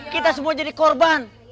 kita semua jadi korban